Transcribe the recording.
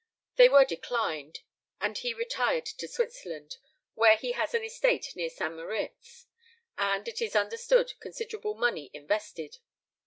They were declined, and he retired to Switzerland, where he has an estate near St. Moritz, and, it is understood, considerable money invested.